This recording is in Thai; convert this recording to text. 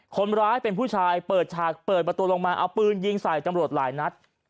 คนร้ายเป็นผู้ชายเปิดฉากเปิดประตูลงมาเอาปืนยิงใส่ตำรวจหลายนัด